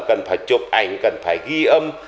cần phải chụp ảnh cần phải ghi âm